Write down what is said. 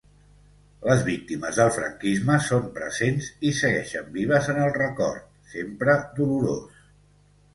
Les víctimes del franquisme son presents i segueixen vives en el record, sempre dolorós.